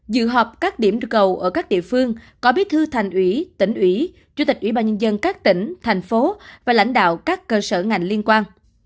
dự họp các điểm được cầu ở các địa phương có bí thư thành ủy tỉnh ủy chủ tịch ủy ban nhân dân các tỉnh thành phố và lãnh đạo các cơ sở ngành liên quan